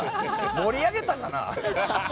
盛り上げたのかな？